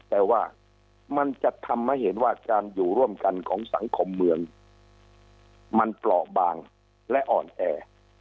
แต่ว่ามันจะทำให้เห็นว่าการอยู่ร่วมกันของสังคมเมืองมันเปราะบางและอ่อนแอ